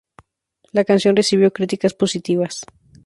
La canción recibió críticas positivas.